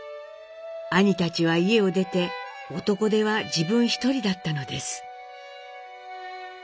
兄たちは家を出て男手は自分ひとりだったのです。